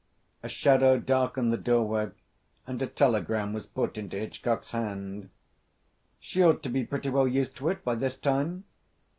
A shadow darkened the doorway, and a telegram was put into Hitchcock's hand. "She ought to be pretty well used to it by this time.